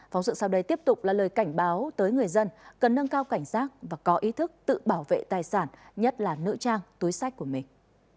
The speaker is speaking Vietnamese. phóng sự sau đây tiếp tục là lời cảnh báo tới người dân cần nâng cao cảnh giác và có ý thức tự bảo vệ tài sản nhất là nữ trang túi sách của mình